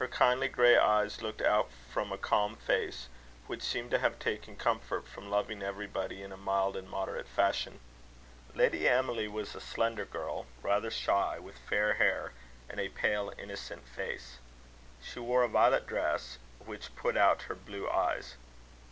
Her kindly grey eyes looked out from a calm face, which seemed to have taken comfort from loving everybody in a mild and moderate fashion. Lady Emily was a slender girl, rather shy, with fair hair, and a pale innocent face. She wore a violet dress, which put out her blue eyes.